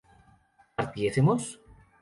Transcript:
¿partiésemos?